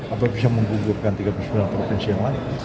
atau bisa menggugurkan tiga puluh sembilan provinsi yang lain